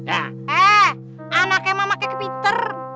eh anaknya mah pinter